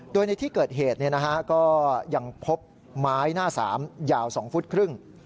โดยในที่เกิดเหตุก็ยังพบไม้หน้าสามยาว๒ฟุตครึ่ง